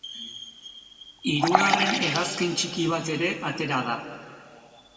Hirugarren hegazkin-txiki bat ere atera da.